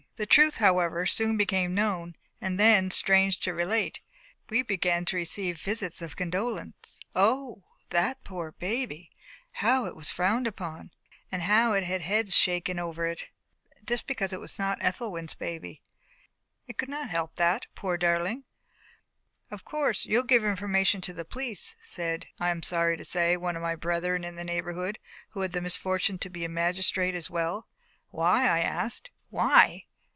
The truth, however, soon became known. And then, strange to relate, we began to receive visits of condolence. O, that poor baby! how it was frowned upon, and how it had heads shaken over it, just because it was not Ethelwyn's baby! It could not help that, poor darling! "Of course, you'll give information to the police," said, I am sorry to say, one of my brethren in the neighbourhood, who had the misfortune to be a magistrate as well. "Why?" I asked. "Why!